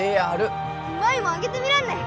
舞もあげてみらんね。